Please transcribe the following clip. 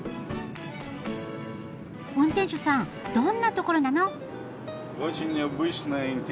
運転手さんどんなところなの？